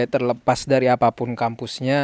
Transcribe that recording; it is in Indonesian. terlepas dari apapun kampusnya